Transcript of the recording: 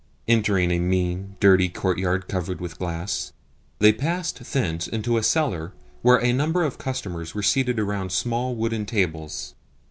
Entering a mean, dirty courtyard covered with glass, they passed thence into a cellar where a number of customers were seated around small wooden tables.